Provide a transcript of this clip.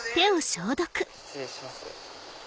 失礼します。